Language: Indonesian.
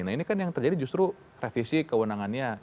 nah ini kan yang terjadi justru revisi kewenangannya